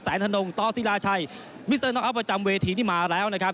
สันทนงต้อยสิราชัยมิสเตอร์น๊อกอัฟประจำเวทีนี่มาใหม่แล้วนะครับ